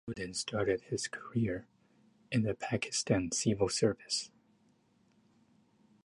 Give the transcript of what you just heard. Uddin started his career in the Pakistan Civil Service.